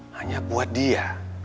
hanya buat dia